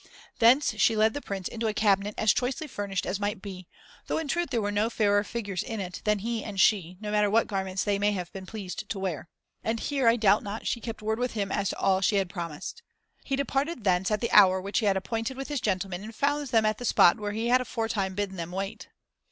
Thence she led the Prince into a cabinet as choicely furnished as might be, though in truth there were no fairer figures in it than he and she, no matter what garments they may have been pleased to wear. And here, I doubt not, she kept word with him as to all that she had promised. He departed thence at the hour which he had appointed with his gentlemen, and found them at the spot where he had aforetime bidden them wait.